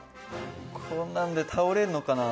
こんなんで倒れんのかな。